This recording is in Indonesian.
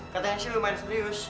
katanya sih lumayan serius